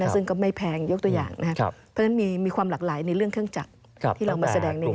ซึ่งก็ไม่แพงยกตัวอย่างนะครับเพราะฉะนั้นมีความหลากหลายในเรื่องเครื่องจักรที่เรามาแสดงในนี้